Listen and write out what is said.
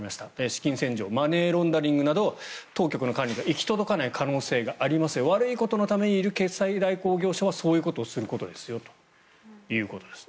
資金洗浄マネーロンダリングなど当局の管理が行き届かない可能性がありますよ悪いことのためにいる決済代行業者はそういうことをすることですよということです。